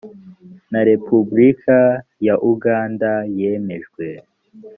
na repubulika ya uganda yemejwe